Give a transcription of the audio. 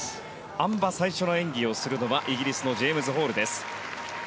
あん馬最初の演技をするのはイギリスのジェームズ・ホール。